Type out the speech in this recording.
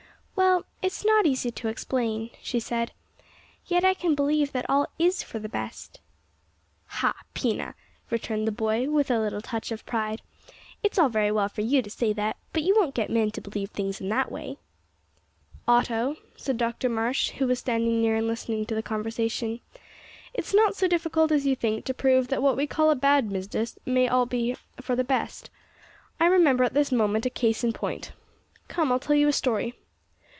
"Well, it is not easy to explain," she said, "yet I can believe that all is for the best." "Ha, Pina!" returned the boy, with a little touch of pride, "it's all very well for you to say that, but you won't get men to believe things in that way." "Otto," said Dr Marsh, who was standing near and listening to the conversation, "it is not so difficult as you think to prove that what we call a bad business may after all be for the best. I remember at this moment a case in point. Come I'll tell you a story.